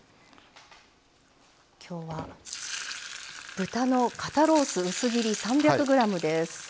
きょうは豚の肩ロース薄切り３００ｇです。